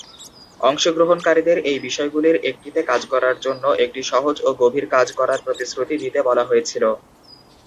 অংশগ্রহণকারীদের এই বিষয়গুলির একটিতে কাজ করার জন্য একটি "সহজ ও গভীর কাজ" করার প্রতিশ্রুতি দিতে বলা হয়েছিল।